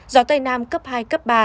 gió tây nam cấp hai cấp ba